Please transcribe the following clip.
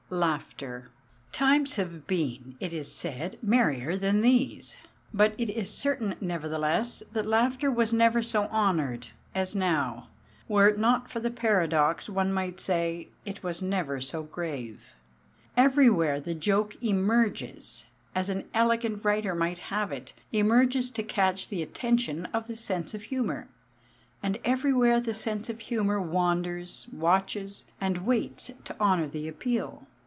LAUGHTER Times have been, it is said, merrier than these; but it is certain nevertheless that laughter never was so honoured as now; were it not for the paradox one might say, it never was so grave. Everywhere the joke "emerges" as an "elegant" writer might have it emerges to catch the attention of the sense of humour; and everywhere the sense of humour wanders, watches, and waits to honour the appeal.